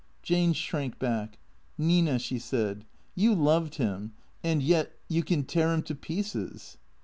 Jane shrank back. " Nina," she said, " you loved him. And yet — you can tear him to pieces."